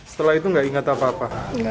setelah itu gak ingat apa apa